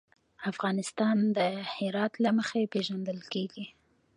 افغانستان د هرات له مخې پېژندل کېږي.